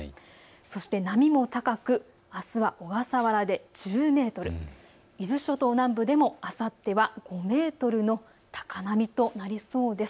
そして波も高くあすは小笠原で１０メートル、伊豆諸島南部でもあさっては５メートルの高波となりそうです。